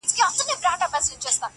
نسته له میرو سره کیسې د سوي میني-